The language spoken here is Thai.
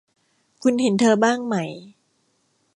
คุณเห็นเธอบ้างไหม